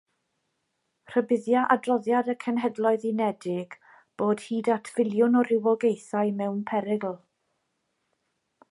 Rhybuddia adroddiad y Cenhedloedd Unedig bod hyd at filiwn o rywogaethau mewn perygl.